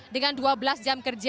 dengan dua belas jam